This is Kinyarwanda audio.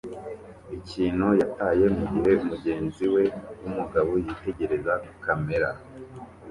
ikintu yataye mugihe mugenzi we wumugabo yitegereza kamera